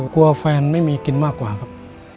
กลัวแฟนไม่มีกินมากกว่าครับ